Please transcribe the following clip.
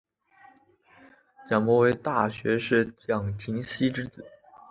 蒋溥为大学士蒋廷锡之子。